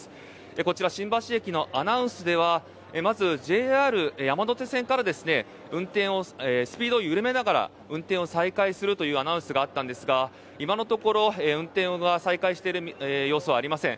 こちら新橋駅のアナウンスではまずＪＲ山手線からスピードを緩めながら運転を再開するというアナウンスがあったんですが今のところ運転を再開している様子はありません。